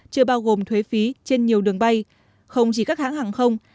chưa bao gồm thuế phí trên nhiều đường bay không chỉ các hãng hàng không